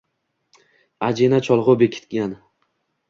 ajina cholgʼusi bekingan